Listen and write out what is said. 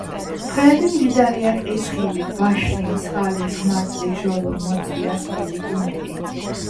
ტყეები მდიდარია ტყის ხილით: ვაშლი, მსხალი, ზღმარტლი, ჟოლო, მოცვი, ასკილი, კუნელი.